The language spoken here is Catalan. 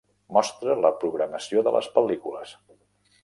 Mostra la programació de les pel·lícules.